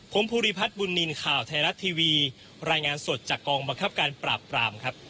ผมภูริพัฒน์บุญนินทร์ข่าวไทยรัฐทีวีรายงานสดจากกองบังคับการปราบปรามครับ